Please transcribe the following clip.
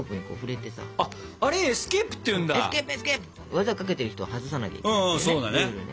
技かけてる人は外さなきゃいけないというねルールで。